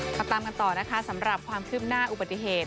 ตามกันต่อนะคะสำหรับความคืบหน้าอุบัติเหตุ